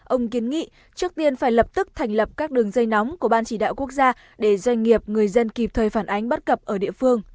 ông kiến nghị trước tiên phải lập tức thành lập các đường dây nóng của ban chỉ đạo quốc gia để doanh nghiệp người dân kịp thời phản ánh bất cập ở địa phương